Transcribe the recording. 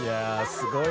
すごい。